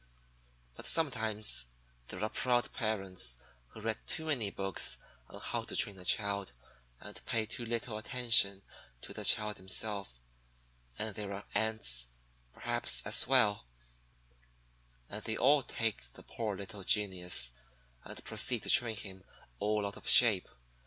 But sometimes there are proud parents who read too many books on how to train a child, and pay too little attention to the child himself; and there are aunts, perhaps, as well; and they all take the poor little genius and proceed to train him all out of shape.